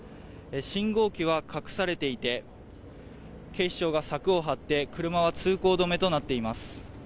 信号機は隠されていて警視庁が柵を張って車は通行止めとなっています。